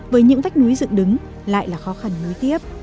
với những vách núi dựng đường